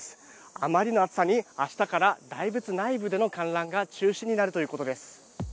あまりの暑さに明日から大仏内部での観覧が中止になるということです。